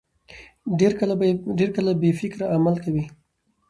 ډېر کله بې فکره عمل کوي.